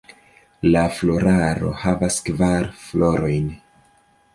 La floraro havas kvar florojn.